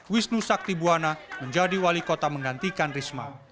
wisnu saktibuana menjadi wali kota menggantikan risma